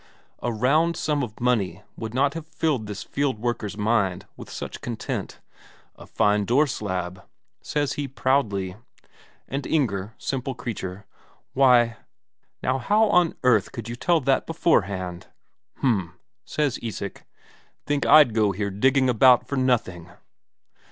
A round sum of money would not have filled this fieldworker's mind with such content. "A fine door slab," says he proudly. And Inger, simple creature: "Why! Now how on earth could you tell that beforehand?" "H'm," says Isak. "Think I'd go here digging about for nothing?"